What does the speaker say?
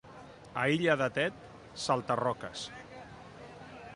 A Illa de Tet, salta-roques.